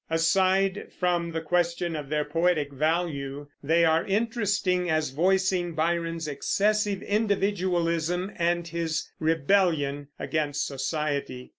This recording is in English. Aside from the question of their poetic value, they are interesting as voicing Byron's excessive individualism and his rebellion against society.